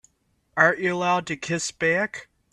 Aren't you allowed to kiss back?